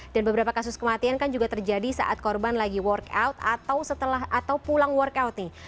beberapa kasus kematian kan juga terjadi saat korban lagi warkout atau setelah atau pulang workout nih